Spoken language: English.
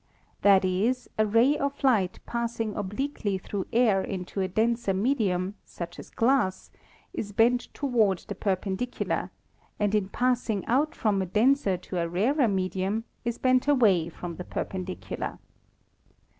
That is, a ray of light passing ob liquely through air into a denser medium, such as glass, is bent toward the perpendicular, and in passing out from a denser to a rarer medium is bent away from the perpen dicular.